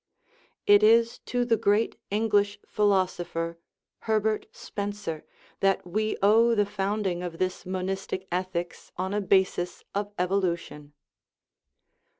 It is to the great English philosopher, Herbert Spencer, that we owe the found ing of this monistic ethics on a basis of evolution.